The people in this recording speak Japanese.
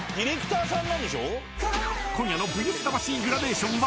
［今夜の『ＶＳ魂』グラデーションは］